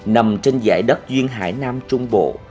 nằm trên giải đất duyên hải nam trung bộ